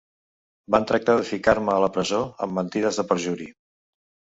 Van tractar de ficar-me a la presó amb mentides de perjuri.